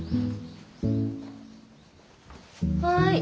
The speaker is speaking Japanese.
はい。